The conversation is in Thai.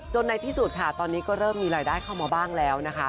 ในที่สุดค่ะตอนนี้ก็เริ่มมีรายได้เข้ามาบ้างแล้วนะคะ